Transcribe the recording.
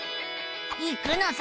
行くのさ！